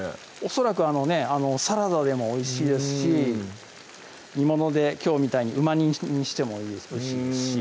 恐らくサラダでも美味しいですし煮物できょうみたいにうま煮にしてもいいですし